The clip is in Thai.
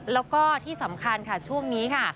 แล้วก็ที่สำคัญค่ะช่วงนี้ค่ะ